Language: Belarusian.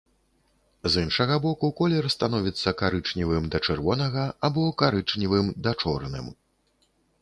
З іншага боку, колер становіцца карычневым да чырвонага альбо карычневым да чорным.